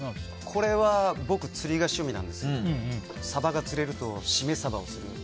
これは、僕釣りが趣味なんですけどサバが釣れるとしめサバをする。